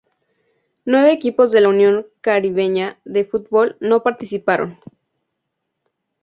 Nueve equipos de la Unión Caribeña de Fútbol no participaron.